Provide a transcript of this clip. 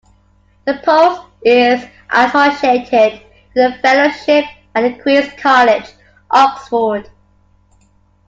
The post is associated with a fellowship at The Queen's College, Oxford.